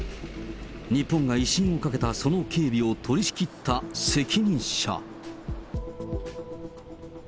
日本が威信をかけたその警備を取り仕切った責任者？